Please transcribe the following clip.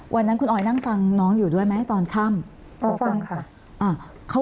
วันนั้นคุณออยนั่งฟังน้องอยู่ด้วยไหมตอนค่ำอ๋อฟังค่ะ